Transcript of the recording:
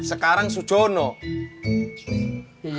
sekarang su jonah